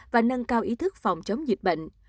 và nâng cao ý thức phòng chống dịch bệnh